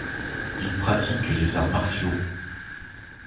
Il pratique les arts martiaux.